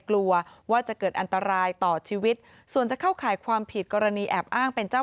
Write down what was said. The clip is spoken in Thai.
แล้วในคลิป